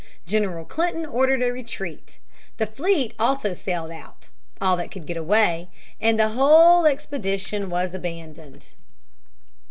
General Clinton ordered a retreat. The fleet also sailed out all that could get away and the whole expedition was abandoned.